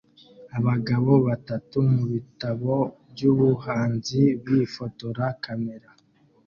Abagabo batatu mubitabo byubuhanzi bifotora kamera